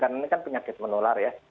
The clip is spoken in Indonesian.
karena ini kan penyakit menular ya